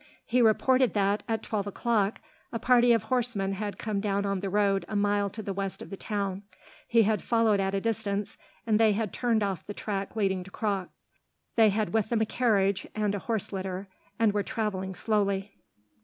He reported that, at twelve o'clock, a party of horsemen had come down on to the road a mile to the west of the town. He had followed at a distance, and they had turned off by the track leading to Croc. They had with them a carriage and a horse litter, and were travelling slowly.